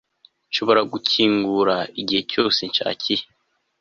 nshobora gukingura igihe cyose nshakiye